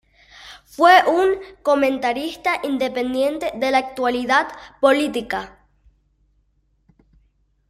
Fue un comentarista independiente de la actualidad política.